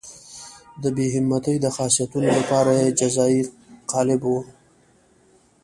د بې همتۍ د خاصیتونو لپاره یې جزایي قالب وو.